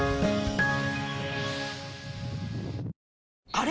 あれ？